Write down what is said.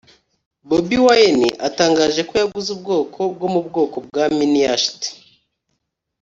Bobi Wine atangaje ko yaguze ubwato bwo mu bwoko bwa Mini Yacht